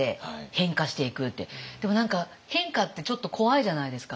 でも何か変化ってちょっと怖いじゃないですか。